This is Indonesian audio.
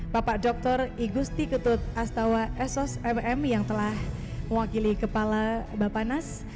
bapak dr igusti ketut astawa sosmem yang telah mewakili kepala bapak nas